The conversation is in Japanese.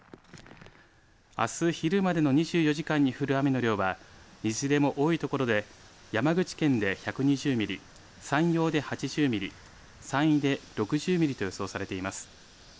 あす昼までの２４時間に降る雨の量はいずれも多いところで山口県で１２０ミリ、山陽で８０ミリ、山陰で６０ミリと予想されています。